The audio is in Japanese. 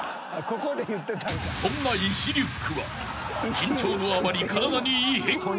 ［そんな石リュックは緊張のあまり体に異変が］